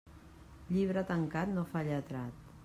Llibre tancat no fa lletrat.